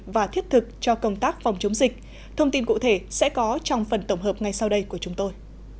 và thiết thực cho công tác phòng chống dịch thông tin cụ thể sẽ có trong phần tổng hợp ngay sau đây của chúng tôi